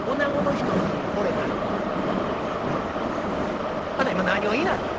「うん？あんた今何を言いなはった？